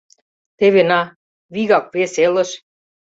Теве на! — вигак вес элыш.